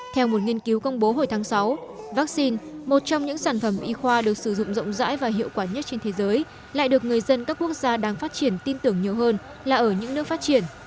theo một nghiên cứu công bố hồi tháng sáu vaccine một trong những sản phẩm y khoa được sử dụng rộng rãi và hiệu quả nhất trên thế giới lại được người dân các quốc gia đang phát triển tin tưởng nhiều hơn là ở những nước phát triển